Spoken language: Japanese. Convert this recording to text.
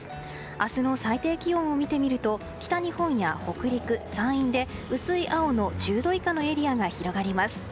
明日の最低気温を見てみると北日本や北陸、山陰で薄い青の１０度以下のエリアが広がります。